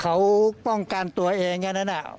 เขาป้องกันตัวเองแค่นั้น